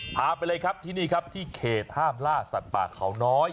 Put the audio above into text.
พาไปเลยครับที่นี่ครับที่เขตห้ามล่าสัตว์ป่าเขาน้อย